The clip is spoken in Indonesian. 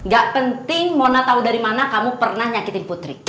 gak penting mona tau dari mana kamu pernah nyakitin putri